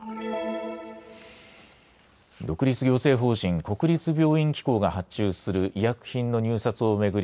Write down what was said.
独立行政法人国立病院機構が発注する医薬品の入札を巡り